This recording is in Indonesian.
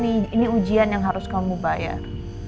tapi mungkin ini ujian yang harus kamu bayar